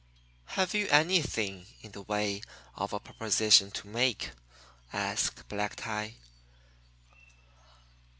"Have you anything in the way of a proposition to make?" asked Black Tie.